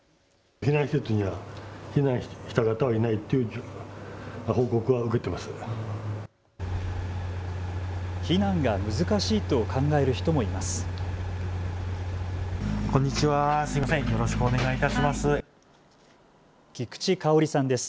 避難が難しいと考える人もいます。